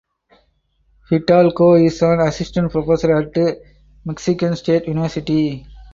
Hidalgo is an assistant professor at Michigan State University.